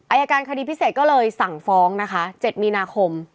อายการคดีพิเศษก็เลยสั่งฟ้องนะคะ๗มีนาคม